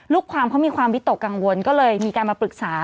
ลูกความเขามีความวิตกกังวลก็เลยมีการมาปรึกษา